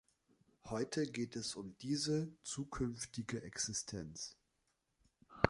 Heute geht es um diese zukünftige Existenz.